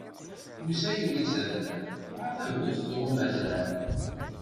Musa yuli s adrar, dɣa tagut tɣumm adrar.